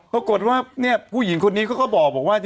ปรากฏว่าผู้หญิงคนนี้ก็บอกว่า